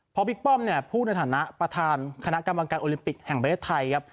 พอบิ๊กป้อมเนี่ยพูดในฐานะประธานคณะกรรมการโอลิมปิกแห่งประเทศไทยครับ